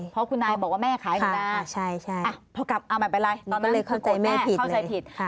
เพราะคุณนายบอกว่าแม่ขายหนูนะพอกลับเอามาไปเลยตอนนั้นคุณโกรธแม่เข้าใจผิดเลยค่ะค่ะ